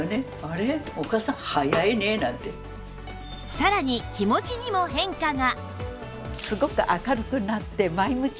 さらに気持ちにも変化が